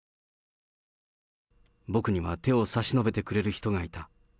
僕には手を差し延べてくれる人がいた。